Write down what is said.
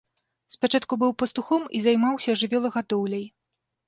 Спачатку быў пастухом і займаўся жывёлагадоўляй.